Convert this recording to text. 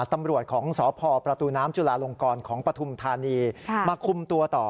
ตำรวจของสพประตูน้ำจุลาลงกรของปฐุมธานีมาคุมตัวต่อ